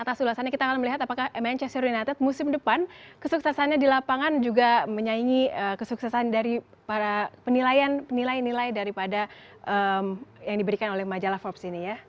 atas ulasannya kita akan melihat apakah manchester united musim depan kesuksesannya di lapangan juga menyaingi kesuksesan dari para penilai nilai daripada yang diberikan oleh majalah forbes ini ya